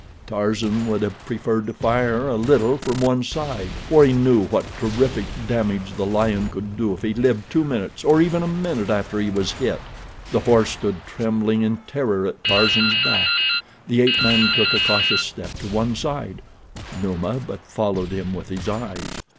Tarzan would have preferred to fire a little from one side, for he knew what terrific damage the lion could do if he lived two minutes, or even a minute after he was hit. The horse stood trembling in terror at Tarzan's back. The ape man took a cautious step to one side—Numa but followed him with his eyes.